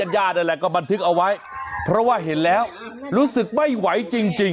ญาติอะไรก็บันทึกเอาไว้เพราะว่าเห็นแล้วรู้สึกไม่ไหวจริงจริง